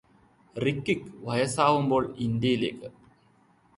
റിക്കിക്ക് വയസ്സാവുമ്പോൾ ഇന്ത്യയിലേക്ക്